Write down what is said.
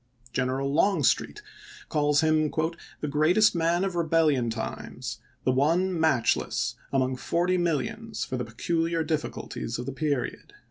General Long street calls him "the greatest man of rebellion times, the one matchless among forty millions for the peculiar difficulties of the period."